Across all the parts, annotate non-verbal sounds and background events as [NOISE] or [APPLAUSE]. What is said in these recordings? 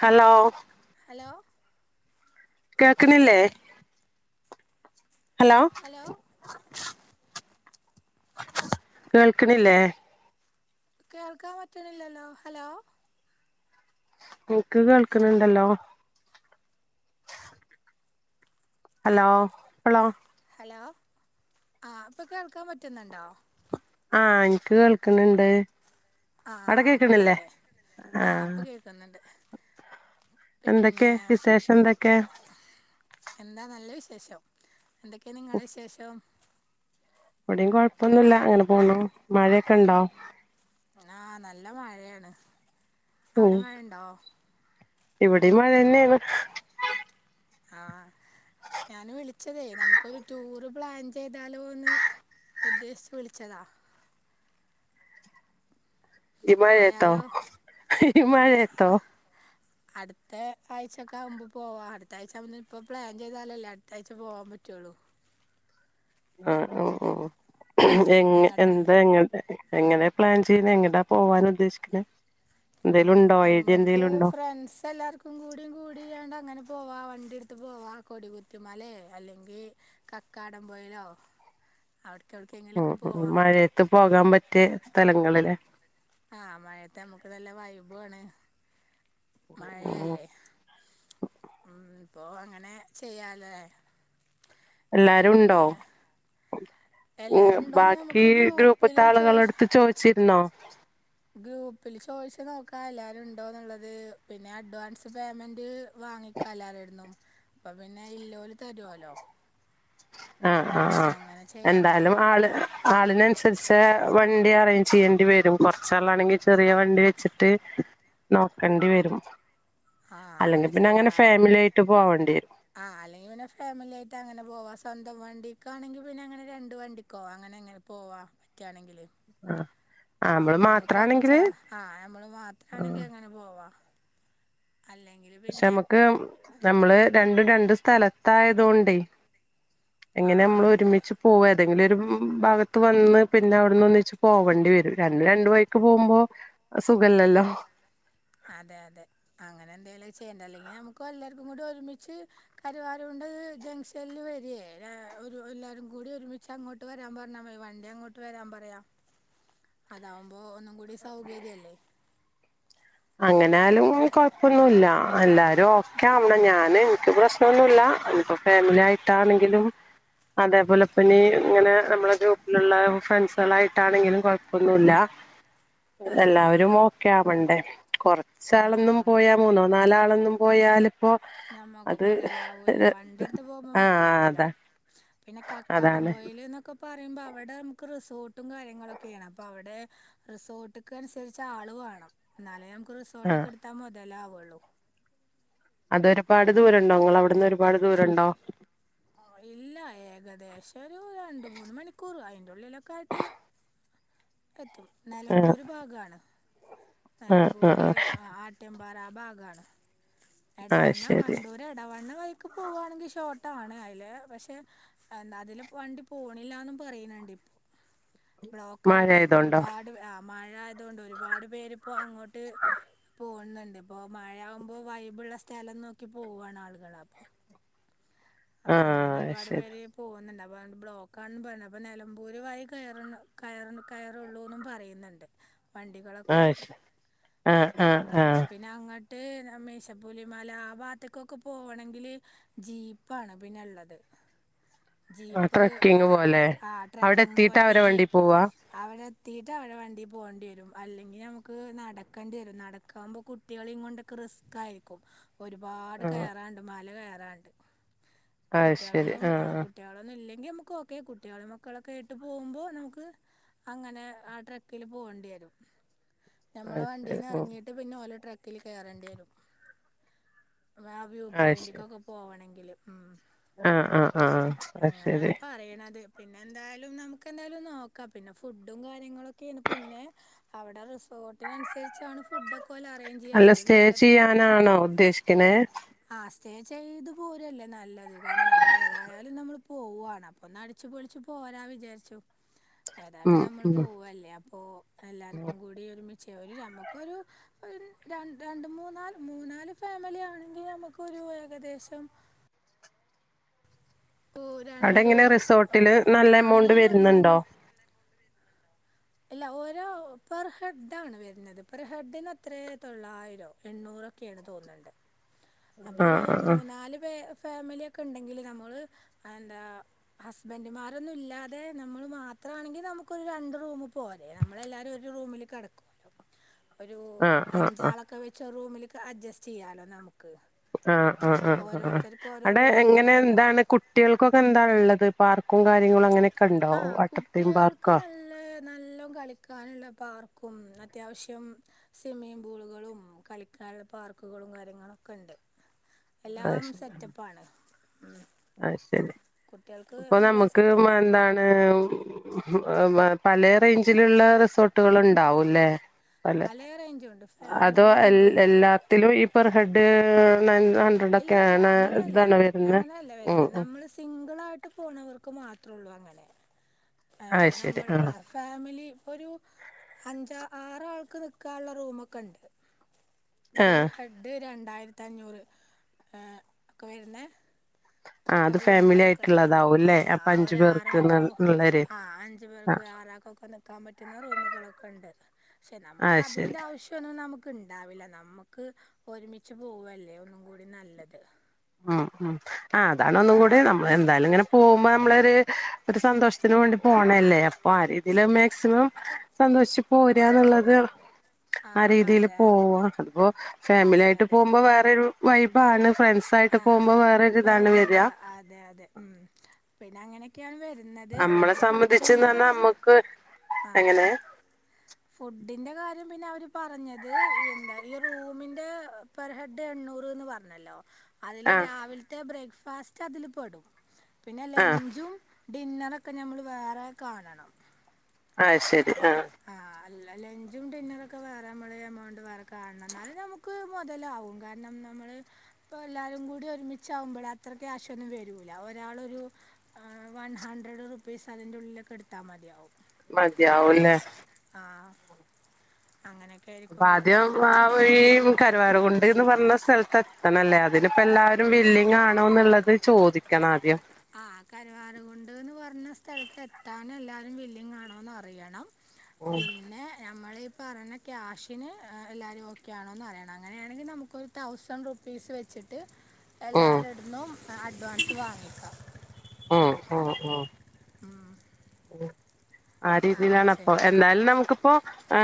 Hello? Hello കേക്ക്ന്നില്ലേ? Hello കേൾക്ക്ണില്ലേ? കേൾക്കാൻ പറ്റണില്ലല്ലോ. ഹലോ? എനിക്ക് കേൾക്ണണ്ടല്ലോ ഹലോ ഹലോ ഹലോ ആഹ് ഇപ്പൊ കേൾക്കാൻ പറ്റുന്നുണ്ടോ? ആഹ് എനിക്ക് കേൾകണ് ണ്ട് ആഹ് ഓക്കേ ഓക്കെ ആഹ് ഇപ്പ കേൾക്കുന്നുണ്ട്. എന്തൊക്കെ? പിന്നെ വിശേഷം എന്തൊക്കെ? എന്താ നല്ല വിശേഷം. എന്തൊക്കെയാ നിങ്ങളുടെ വിശേഷം? ഇവിടേം കുഴപ്പോന്നുല്ല ഇങ്ങനെ പോന്നു മഴക്കെ ഉണ്ടോ? ആഹ് നല്ല മഴയാണ് അവിടെ മഴുണ്ടോ? ഇവിടേം മഴന്നെയാണ്. ആഹ് ഞാന് വിളിച്ചതേ നമുക്കൊരു ടൂറ് പ്ലാൻ ചെയ്താലോന്ന് ഉദ്ദേശിച്ച് വിളിച്ചതാ. ഈ മഴയത്തോ? പോയാലോ ഈ മഴയത്തോ? അടുത്ത ആഴ്ചൊക്കെ ആകുമ്പോ പോവാ അടുത്ത ആഴ്ച ആകുമ്പ ഇപ്പൊ പ്ലാൻ ചെയ്താലല്ലേ അടുത്ത ആഴ്ച പോവാൻ പറ്റുള്ളു ആഹ് മ് മ് എ എങ്ങട്ടാ എന്താ ഇങ്ങനെ? എങ്ങനെയാ പ്ലാൻ ചെയ്യണ എങ്ങടാ പോവാൻ ഉദ്ദേശിക്കുന്ന എന്തേലും ഉണ്ടോ ഐഡിയ എന്തേലും ഉണ്ടോ? ഫ്രെണ്ട്സ് എല്ലർ [INAUDIBLE] എല്ലാരും കൂടിയാണ്ട് അങ്ങനെ പോവാ വണ്ടി എടുത്ത് പോവാ കൊടികുത്തി മലെ അല്ലെങ്കിൽ കക്കാടം പോയിലോ അവടക്കവടിൻ മ്ഹ് മ്ഹ് മഴയത്ത് പോകാൻ പറ്റിയ സ്ഥലങ്ങളില്ലെ ആഹ് മഴത്തെ നമ്മുക്ക് നല്ല വൈബുവാണ് മഴയല്ലേ മ്ഹ് അപ്പോൾ അങ്ങനെ ചെയ്യാലേ? എല്ലാരും ഉണ്ടോ? പിന്നെ മ്ഹ് എല്ലാരും ഉണ്ടോന്ന് ബാക്കി നമുക്ക് ഗ്രൂപ്പത്തെ ഗ്രൂപ്പില് ചോയ്ച്ച് ആളുകളടുത്ത് ചോദിച്ചിരുന്നോ? ഗ്രൂപ്പിൽ ചോദിച്ച നോക്കാ എല്ലാവരും ഉണ്ടോന്നുള്ളത് പിന്നെ അഡ്വാൻസ് പേയ്മെന്റ് വാങ്ങിക്ക ക ല്ലാരുടുന്നും അപ്പം പിന്നെ ഇല്ലോരു തരുല്ലോ ആഹ ആഹ ആ അങ്ങനെ ചെയ്യാം നമുക്ക് എന്താലും ആള് ആളിനനുസരിച്ച് വണ്ടി അറേഞ്ച് ചെയ്യേണ്ടി വരും. കുറച്ചാളാണെങ്കിൽ. ചെറിയ വണ്ടി വെച്ചിട്ട് നോക്കേണ്ടി വരും. ആ അല്ലെങ്കി പിന്നെ അങ്ങനെ ചെയ്യാം ഫാമിലി ആയിട്ട് പോവേണ്ടിരും. ആ അല്ലെങ്കിൽ പിന്നെ ഫാമിലി ആയിട്ടങ്ങനെ പോവാ. സ്വന്തം വണ്ടിക്കാണെങ്കിൽ പിന്നെ അങ്ങനെ രണ്ട് വണ്ടിക്കോവാ അങ്ങനങ്ങനെ.. പോവാ പറ്റയാണെങ്കിൽ. ആഹ് നമ്മള് നമ്മൾ കൊറച്ച മാത്രാണെങ്കില് ആ നമ്മൾ മാത്ര ആഹ് ആണെങ്കി അങ്ങനെ പോവാ അല്ലെങ്കിൽ പക്ഷെ പിന്നെ നമ്മുക്ക് നമ്മള് രണ്ടും രണ്ട് സ്ഥലത്തായത് കൊണ്ടേ. ആ എങ്ങനെ നമ്മൾ അതെ അതെ ഒരുമിച്ച് പോവ ഏതെങ്കിലും ഒരു ഭാഗത്ത് വന്ന് പിന്നെ അവിടുന്ന് ഒന്നിച്ച് പോവേണ്ടി വരും. രണ്ട്, രണ്ടു വയിക്ക് പോകുമ്പോ സുഖല്ലല്ലോ? അതെ അതെ അങ്ങനെ എന്തേങ്കിലും ചെയ്യണ്ട. അല്ലെങ്കിൽ നമുക്ക് എല്ലാവർക്കും കൂടി ഒരുമിച്ച് കരുവാര തുണ്ട് ജംഗ്ഷനിൽ വരിയേ എല്ലാവാരും കൂടി ഒരുമിച്ച് അങ്ങോട്ട്- ഇട്ട് വരാൻ പറഞ്ഞാ മേ വണ്ടി അങ്ങോട്ട് വരാൻ പറയാം. അതാവുമ്പോ ഒന്നും കൂടി സൗകര്യല്ലേ. അങ്ങനൊലും കൊഴപ്പൊന്നുല്ല എല്ലാരും ഓക്കെ ആവണം. ഞൻ എനിക്ക് പ്രശ്ന ഒന്നുല്ല അനിപ്പോ ഫാമിലി ആയിട്ടാണെങ്കിലും. അതേപോലെ പ്പനി ഇങ്ങനെ നമ്മെ ഗ്രൂപ്പിലുള്ള ഫ്രണ്ട്സുകളായിട്ടാണെങ്കിലും കുഴപ്പൊന്നുല്ല. ആ എല്ലാവരും ആ ഓക്കെ ആവണ്ടേ ആഹ് കൊറച്ചാളൊന്നും ആഹ് പോയാ മൂന്നോ നാലാളൊന്നും പോയാല് ഞമ്മക്ക് മുതലാവൂല വണ്ടി എടുത്ത് പോകുമ്പോ ആഹ് മുതലാവൂല. അതാ പിന്നെ കക്കാടം അതാണ് പൂഴയിൽന്നൊക്കെ പറയുമ്പോ അവിടെ നമുക്ക് റിസോർട്ടും കാര്യങ്ങളൊക്കെയാണ്. അപ്പൊ അവിടെ റിസോർട്ടക്ക് അനുസരിച്ച് ആള് വേണം. എന്നാലേ നമുക്ക് റിസോർട്ട് ആഹ് ഒക്കെ എടുത്താ മുതലാവുള്ളൂ. അത് ഒരുപാട് ദൂരം ഉണ്ടോ നിങ്ങളെ അവിടുന്ന് ഒരുപാട് ദൂരണ്ടോ? ഇല്ല ഏകദേശം ഒരു രണ്ടുമൂന്ന് മണിക്കൂർ അയിന്റെ ഉള്ളിലൊക്കെ ആയിട്ട് എത്തും. ആഹ് നിലമ്പൂര് ഭാഗമാണ്. ആഹ് നലമ്പൂര് ആഹ് ആഹ് മ്പാറ ആ ഭാഗാണ്. ആഹ് എടവണ്ണ ശരി വണ്ടൂ എടവണ്ണ വഴിക്ക് പോവുവാണെങ്കിൽ. ഷോട്ടണ് അതില് പക്ഷെ എന്താ അതില് വണ്ടി പോണില്ലന്നും പറയുന്നുണ്ട്. ബ്ലോ കയീകിട്ടെപ്പം മഴായതോണ്ടോ ഒരുപാട് മഴയായതുകൊണ്ട്. ഒരുപാട് പേരിപ്പോൾ അങ്ങോട്ട് ട്ട് പോന്നുണ്ട്. അപ്പോൾ മഴയാകുമ്പോൾ വൈബുള്ള സ്ഥലം. നോക്കി പോവാണ് ആളുകൾ അപ്പോ. അപ്പൊ അങ്ങോട്ട് ആഹ് ഒരുപാട് ശരി പേര് പോകുന്നുണ്ട് അപ്പോൾ ബ്ലോക്കാണെന്ന് പറയുന്നത് അപ്പോൾ നിലമ്പൂര് വായി കയറി കയറ കയറുള്ളൂ പറയുന്നുണ്ട്. വണ്ടികൾഒക്കെ ആഹ് ശ ആഹ് ആഹ് ഉം. ആഹ് പിന്നെ അങ്ങോട്ട് മേശപ്പൂലി മല ആ ഭാഗത്തേക്കൊക്കെ പോകണെങ്കില് ജീ ജിപ്പാണ് പിന്നെ ഉള്ളത്. ആഹ് ജീപ്പ് ആ ട്രക്കിങ് പോലെ ആ അവിടെ ട്രക്കിങ് എത്തിയിട്ട് പോലത്തെ അവരെ വണ്ടി ജീപ്പ് പോവാ അവിടെ എത്തിട്ട് അവിടെ വണ്ടി പോകേണ്ടി വരും. അല്ലെങ്കിൽ നമുക്ക് നടക്കേണ്ടി വരും. നടക്കാവുമ്പോ കുട്ടികിം കൊണ്ട്ക്കെ റിസ്ക്കാ യിരിക്കും. ഒരുപാട് ആഹ് കയറാനുണ്ട്. മല കയറാനുണ്ട്. അത് ശരി കുട്ടികളൊന്നും ആ ആഹ് ആഹ് കുട്ടികളൊന്നും ഇല്ലെങ്കി നമുക്ക് ഓക്കെ. കുട്ടികളെ മക്കളൊക്കെ ഇട്ട് പോകുമ്പോ നമുക്ക് അങ്ങനെ ആ ട്രക്കില് പോകേണ്ടി വരും. നമ്മള അത് ശരി വണ്ടീന്ന് ഉം ഇറങ്ങിട്ട് പിന്നെ ഓല് ട്രക്കില് കയറേണ്ടി വരും. ആ വ്യൂ അത് ശരി പോയിന്റക്കൊക്കെ പോകണെങ്കില്. ഉം ആഹ് ആഹ് ആഹ് അത് അങ്ങനെയാണ് ശരി പറയണത്. പിന്നെ എന്തായാലും നമുക്ക് എന്തായാലും നോക്കാം. പിന്നെ ഫുഡും കാര്യങ്ങളൊക്കെയാണ് പിന്നെ അവിടെ റിസോർട്ടിന് നുസരിച്ചാണ് ഫുഡ് ഒക്കെഓല്അറേഞ്ച് അല്ല സ്റ്റേ ചെയ്യാനാണോ ഉദ്ദേശിക്കണേ? ആ സ്റ്റേ ചെയ്ത് പോരുവല്ലേ നല്ലത് കാരണം നമ്മളേതായാലും നമ്മൾ പോവുവാണ് അപ്പൊ ഒന്ന് അടിച്ചു പൊളിച്ച് പോരാന്ന് വിചാരിച്ചു. [INAUDIBLE] ഏതായാലും നമ്മള് ഉം പോവല്ലേ അപ്പൊ എല്ലാർക്കും കൂടി ഒരു മിച്ച് ഒരു നമ്മുക്കൊരു ഒരു രണ്ട് മൂന്നാല് മൂന്നാല് ഫാമിലി ആണെങ്കിൽ നമുക്ക് ഒരു ഏകദേശം പ്പ അവിടെ രണ്ട് എങ്ങനെ റിസോർട്ടില് നല്ല എമൗണ്ട് ആണുങ്ങളൊന്നും വരുന്നുണ്ടോ ഇല്ലെങ്കിൽ അല്ല ഓരോ പെർ ഹെഡ് ആണ് വരുന്നത് പെർ ഹെഡിന് എത്ര തൊള്ളായിരം എണ്ണൂറെ ഒക്കെയാണ് തോന്നുന്നുണ്ട്. അപ്പൊ ഒരു ആഹ് ആഹ് ആഹ് മൂന്നാല് പേ ഫാമിലിയൊക്കെ ഉണ്ടെങ്കില് നമ്മള് എന്താ ഹസ്ബന്റുമാരൊന്നും ഇല്ലാതെ നമ്മള് മാത്രമാണെങ്കി നമുക്ക് ഒരു രണ്ട്റൂമ് പോവാ അതെ നമ്മളെല്ലാരും ഒരു റൂമില് കിടക്കും. [INAUDIBLE] ഒരു ആഹ് ആഹ് ആഹ് അഞ്ചാളൊക്കെ വെച്ച് ഒര്റൂമിലേക്ക് അഡ്ജസ്റ്റ് ചെയ്യാലോ നമുക്ക് ആഹ് ആ ആ ആ ആഹ് ഓരോരുത്തർക്കും ഓരോ അവിടെ റൂമൊന്നും എങ്ങനെ വേണ്ടല്ലോ എന്താണ് കുട്ടികൾക്കൊക്കെ എന്താ ഉള്ളത് പാർക്കും കാര്യങ്ങളും അങ്ങനെ ആ കുട്ടികൾക്ക് നല്ല നല്ല കളിക്കാനുള്ള പാർക്കും അത്യാവശ്യം സ്വിമ്മിംഗ് പൂളുകളും കളിക്കാനുള്ള പാർക്കുകളും കാര്യങ്ങളൊക്കെ ഉണ്ട്. അത് എല്ലാം ശരി സെറ്റപ്പാണ്. ഉം അത് ശരി കുട്ടികൾക്ക് ഇപ്പൊ നല്ല നമുക്ക് സെറ്റപ്പായിട്ട് എന്താണ് പല റേഞ്ചിലുള്ള റിസോർട്ടുകൾ ഉണ്ടാവും. ലെ പലറേഞ്ച് ഉണ്ട് അതോ എല്ലാത്തിലും ഈ പെർ ഹെഡ് [UNINTELLIGIBLE] ഇല്ല ഇല്ല അങ്ങനെയല്ല ഇതാണ് വരുന്നത് അങ്ങനെയല്ല ഉം വരുന്ന ഉം നമ്മൾ സ് സിംഗിളായിട്ട് പോണവർക്ക് മാത്രമേ ഉള്ളൂ അങ്ങനെ അത് ശരി നമ്മള് ആഹ് ഫാമിലി ഇപ്പൊ ഒരു അഞ്ചാ ആറാൾക്ക് നിൽക്കാനുള്ള റൂമ് ഒക്കെ ഉണ്ട് ആഹ് പെർ ഹെഡ് രണ്ടായിരത്തി അഞ്ഞൂറ് ഒക്കെ വരുന്ന ആഹ് അത് ഫാമിലി റൂമുകളൊക്കെ ഉണ്ട് ആയിട്ടുള്ളതാവുംല്ലേ അപ്പൊ അഞ്ചു ഒരാ ആാക്കോ പേർക്ക്ന്ന്ള്ളര് ആഞ്ച് അഞ്ചു പേർക്ക് ആഹ് ആരാക്കൊക്കെ നക്കാൻ പറ്റുന്ന റൂമുകളൊക്കെ ഉണ്ട് പക്ഷെ നമുക്ക് അത് ശരി അതിന്റെ ആവശ്യ ഒന്നും നമുക്ക് ഉണ്ടാവില്ല നമുക്ക് ഒരുമിച്ച് പോവല്ലേ ഒന്നും കൂടി നല്ലത് ഉം ഉ ആ അതാ ഒന്നും അപ്പം കൂടിനമ്മ പിന്നെ എന്തായാലും ഇങ്ങന പോകുമ്പോൾ നമ്മളൊരു ഒരു സന്തോഷത്തിന് വേണ്ടി പോണല്ലേ ഒ ആ രീതിയില് മാക്സിമം സന്തോഷിച്ച് പോരാന്നുള്ളത് ആ രീതിൽ അതെ അതെ പോവാ അതിപ്പോ ഫാമിലി അതെ ആയിട്ട് അതെ പോകുമ്പോ വേറോരു വൈബാണ് ഫ്രണ്ട്സ് ആയിട്ട് ആ പോകുമ്പോൾ വേറൊരിതാണ് വരിക പോകുമ്പോൾ അതെ അതെ ഉം പിന്നെ അങ്ങനെയൊക്കെയാണ് വരുന്നത് നമ്മളെ പിന്നെ ഫുഡിന്റെ സംബന്ധിച്ച്ന്ന് പറഞ്ഞാ കാര്യം നമ്മക്ക് ആഹ് എങ്ങനെ ഫുഡിന്റെ കാര്യം പിന്നെ അവര് പറഞ്ഞത് എന്താ ഈ റൂമിന്റെ പെർ ഹെഡ് എണ്ണൂറ്ന്ന് പറഞ്ഞല്ലോ അതില് ആ രാവിലത്തെ ബ്രേക്ക്ഫാസ്റ്റ് അതില് പെടും പിന്നെ ആ ലഞ്ചും ഡിന്നറൊക്കെ ഞമ്മൾ വേറെ കാണണം ആശരി ആ ആഹ അല്ല ലഞ്ചും ഡിന്നറും ഒക്കെ വേറെമ്മള എമൗണ്ട് വേറെ കാണണം എന്നാലും നമുക്ക ക്ക് മുതലാവും കാരണം നമ്മള് ഇപ്പൊ എല്ലാരും കൂടി ഒരുമിച്ച ആകുമ്പോഴ അത്ര ക്യാശ ഒന്നും വരൂല ഒരാളൊരു ആ വൺ ഹൺണ്ട്രഡ് റുപ്പീസ് അതിന്റെ ഉള്ളിലൊക്കെ എടുത്താൽ മതിയാവും മതിയാവുംല്ലേ ആഹ് അങ്ങനെയൊ ആദ്യം [UNINTELLIGIBLE] കരുവാറുകുണ്ട്ന്ന് പറഞ്ഞ സ്ഥലത്ത് എത്തണല്ലേ അതിനിപ്പോ എല്ലാവരും വില്ലിങ്ങ് ആണോന്ന് ന്നുള്ളത് ചോദി ക്കെണോ ആദ്യം ആ കരുവാരൻകുണ്ട്ന്ന് പറഞ്ഞ സ്ഥലത്ത് എത്താന് എല്ലാരും വില്ലിങ് ആണോന്ന് അറിയണം പിന്നെ നമ്മള് പറഞ്ഞാൽ ക്യാഷിന് എല്ലാരും ഓക്കെയാണോന്ന് അറിയണം അങ്ങനെയാണെങ്കിൽ നമുക്കൊരു തൗസൻന്റ് റുപ്പീസ് വെച്ച് വച്ചിട്ട് ഉം എല്ലാരട്ന്നും അഡ്വാൻസ് വാങ്ങിക്കാം ആ ആ ആ ഉം ആ അങ്ങനെ രീതിയിലാണ് അപ്പൊ ചെയ്യാം എന്താലും നമുക്കിപ്പോ ആ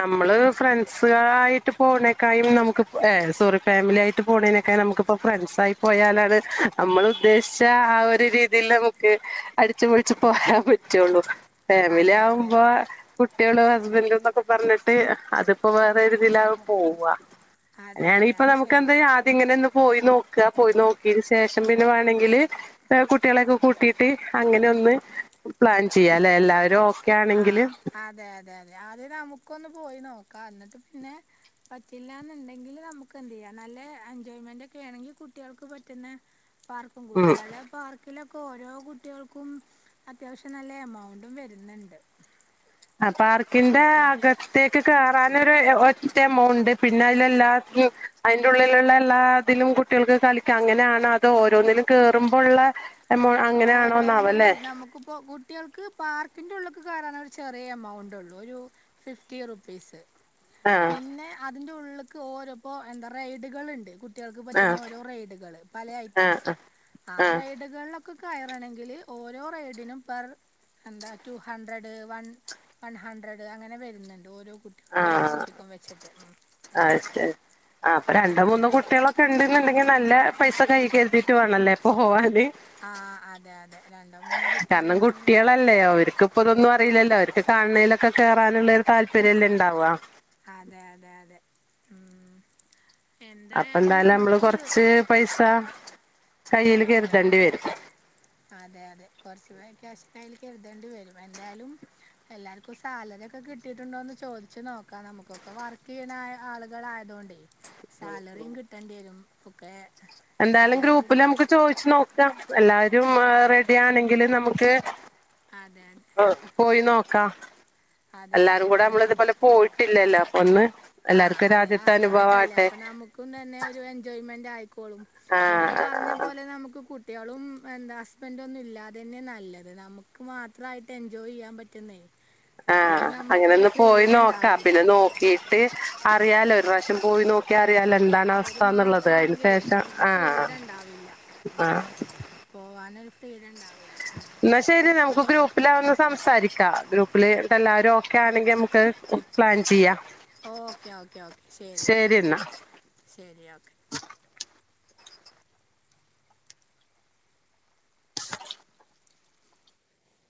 നമ്മള് ഫ്രണ്ട്സ്‌കളായിട്ട് പോണേക്കായും നമുക്ക് ഏ സോറി ഫാമിലി ആയിട്ട് പോണേനേക്കാ നമുക്ക് ഇപ്പൊ ഫ്രണ്ട്സ ആയി പോയാലാണ് നമ്മൾ ഉദ്ദേശിച്ച ആ ഒരു രീതിൽ നമുക്ക് അടിച്ചു പൊളിച്ച് പോരാൻ പറ്റുള്ളൂ ഫാമിലി അതെ അതെ ആവുമ്പോ കുട്ടികളും ഹസ്ബൻഡുംന്നൊക്കെ പറഞ്ഞിട്ട് അതിപ്പോ വേറെ ഒരുരിതിലാകും പോവാ അതെ അങ്ങനെയാണെ അതെ ഇപ്പൊ അത് നമുക്ക് എന്താ ശരിയാണ് അദ്യം ഇങ്ങനെ ഒന്ന് പോയി നോ ക്ക പോയി നോക്കിയന് ശേഷം പിന്നെ വേണെങ്കില് കുട്ടികളെൊക്കെ കൂട്ടിയിട്ട് അങ്ങനെ ഒന്ന് പ്ലാൻ ചെയ്യാല്ലേ എല്ലാരും ആഹ് അ അതെ അതെ അതെ ആദ്യം നമുക്കൊന്ന് പോയി നോക്കാം എന്നിട്ട് പിന്നെ പറ്റില്ലന്നുണ്ടെങ്കിൽ നമുക്ക് ക്കെ എന്തെയ്യാ നല്ല എൻജോയ്മെന്റ് ഒക്കെ ആണെങ്കിൽ കുട്ടികൾക്ക് പറ്റുന്ന പാർക്കും ഉം കുട്ടികളെ പാർ ക്ക്ലൊക്കെ ഓരോ കുട്ടികൾക്കും അത്യാവശ്യം നല്ല എമൗണ്ടും വരുന്നുണ്ട് ആ പാർക്കിന്റെ കുട്ടികൾ അക ത്തേക്ക് കയറാന ഒരു ഒറ്റ എമൗണ്ട് പിന്നെ അതിലെല്ലാ അതിന്റെ ഉള്ളിലുള്ള എല്ലാതിലും കുട്ടികൾക്ക് കളിക്കാം അങ്ങനെയാണ് അത് ഓരോന്നിലും കേറുമ്പോ ഉള്ള ഓരോന്നിലും നമുക്കിപ്പോ കുട്ടികൾക്ക് ക്ക് പാർക്കിന്റെള്ളുക്ക് കയറാനൊരു ചെറിയ എമൗണ്ടുള്ളൂ ഒരു ഫിഫ്റ്റി റുപ്പീസ് ആ പിന്നെ അതിന്റെ ഉള്ള്ക് ഓരോ പ്പോ എന്താ റൈഡുകൾണ്ട് കുട്ടികൾക്ക് ആ പറ്റുന്ന ഓരോ റൈഡുകൾ പല ആ ഐറ്റംസ് ആ റൈഡുകളിലൊ കയറണെങ്കിൽ ഓരോ റെയ്ഡിനും പെർ എന്താ two hundred one one hundred അങ്ങനെ വരുന്നുണ്ട് ഓരോ ഓരോ കുട്ടിക്കും വെച്ചിട്ട് അഹ് ആഹ് അപ്പൊ രണ്ടോ മൂന്നോ ഉം. കുട്ടികള് ക്കെ ഇണ്ട്ണ്ന്നുണ്ടെങ്കിൽ നല്ല പൈസ കൈ കരുതിട്ട്‌ വേണല്ലേ പോവാന് ആഹ് അതെ അതെ രണ്ടോ മൂന്നോ കാരണം കുട്ടികളുണ്ടെങ്കിൽ നല്ല- കുട്ടിളല്ലേ അവർക്ക് ഇപ്പതൊന്നും അറിയില്ലല്ലോ അവർക്ക് കാണണേലൊക്കെ കേറാനുള്ളൊരു താല്പര്യല്ലേ ഇണ്ടാവാ അതെ അതെ അതെ ഉം അപ്പൊ എന്തായാലും നമ്മള് നമുക്ക് കൊറച്ച് പൈസ കയ്യിൽ ആ കരുതണ്ടി വരും അതെ അതെ കുറച്ച് ക്യാശ് കയ്യിൽ കരുതേണ്ടി വരും എന്തായാലും എല്ലാർക്കും സാലറി ഒക്കെ കിട്ടിയിട്ടുണ്ടോന്ന് ചോദിച്ചു നോക്കാം നമുക്കൊക്കെ വർക്ക് ചെയ്യണ ആളുകളയതോണ്ടെ സാലറിയും കിട്ടേണ്ടി വരും ഒക്കെ എന്തായാലും സാലറി ഗ്രൂപ്പില് നമുക്ക് ചോദിച്ചു നോക്കാം എല്ലാരും ആ റെഡിയാണെങ്കിൽ നമുക്ക് അതെ അതെ പോയി നോക്കാം അതെ അതെ എല്ലാരും കൂടെ നമ്മള് ഇതുപോലെ പോയിട്ടില്ലല്ലോ ഒന്ന് ആഹ് എല്ലാർക്കും ഒരു അതെ ആ ആദ്യത്തെ ആദ്യായിട്ടല്ലേ അനുഭവമാട്ടെ അപ്പൊ ന [UNINTELLIGIBLE] എൻജോയ്മെന്റ് ആയിക്കോളും നിങ്ങള് പറഞ്ഞ അത് ആഹ് പോലെ നമുക്ക് കുട്ടികളും എന്താ ഹസ്ബണ്ടൊന്നുല്ലാതെന്നെ നല്ലത് നമുക്ക് മാ യിട്ട് എൻജോയ് ചെയ്യാൻ പറ്റുന്നേ. മറ്റേത് ആഹ് നമുക്കൊരു അങ്ങനൊന്ന് പോയി ഫ്രീഡം നോക്കാം. ഉണ്ടാവില്ല പിന്നെ നോക്കിട്ട് അറിയാലോ ഒരു പ്രാവശ്യം പോയി ക്ക് അറിയാല അതെ എന്താണ് അവർ അവസ്ഥന്ന് ള്ളത് അതിന് മാത്രമാണെങ്കിലേ ശേഷം നമുക്ക് ആഹ് ഫ്രീഡം ഉണ്ടാവില്ല ആഹ്. പോവാനൊരു ഫ്രീഡം ഇണ്ടാവില്ല മ്മ്. എന്നാ ശരി നമുക്ക് ഗ്രൂപ്പിലാ ഒന്ന് സംസാരിക്കാം. ഗ്രൂപ്പില് എല്ലാവരും ഓക്കെയാണെങ്കി നമുക്ക്ത് പ്ലാൻ ചെയ്യാം. ഓക്കേ ഓക്കേ ഓക്കേ ശരി എന്നാ മ്മ് ശരി ഓക്കെ.